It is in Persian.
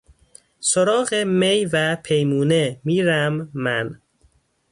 سراغ می و پیمونه میرم من